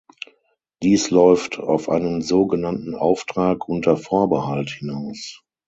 Dies läuft auf einen so genannten Auftrag unter Vorbehalt hinaus.